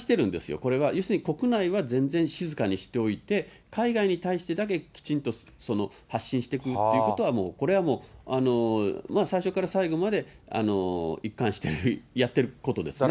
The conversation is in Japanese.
これは要するに国内は全然静かにしておいて、海外に対してだけきちんと発信していくっていうことは、これはもう、最初から最後まで一貫してやってることですね。